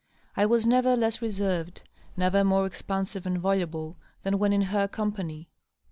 I was never less reserved, never more expansive and voluble, than when in her company.